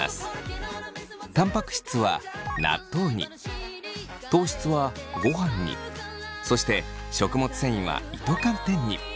たんぱく質は納豆に糖質はごはんにそして食物繊維は糸寒天に。